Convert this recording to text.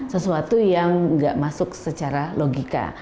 sesuatu yang nggak masuk secara logika